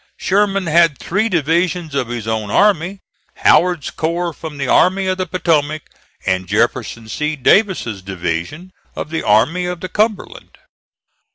Sherman had three divisions of his own army, Howard's corps from the Army of the Potomac, and Jefferson C. Davis's division of the Army of the Cumberland.